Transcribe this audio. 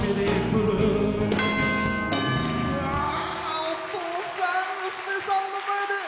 お父さん、娘さんの前で。